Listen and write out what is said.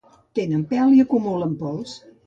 Tenen pèl i acumulen pols.